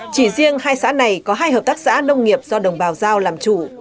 chỉ riêng hai xã này có hai hợp tác xã nông nghiệp do đồng bào giao làm chủ